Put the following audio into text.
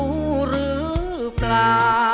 สมาธิพร้อมเพลงที่๑เพลงมาครับ